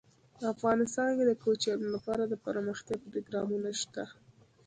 افغانستان کې د کوچیان لپاره دپرمختیا پروګرامونه شته.